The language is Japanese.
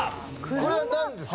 これはなんですか？